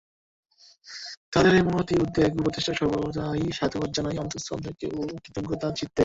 তাঁদেরকে এ মহতী উদ্যোগ ও প্রচেষ্টাকে সর্বদাই সাধুবাদ জানাই অন্তঃস্থল থেকে ও কৃতজ্ঞচিত্তে।